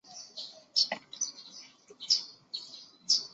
我寻找已久想要的东西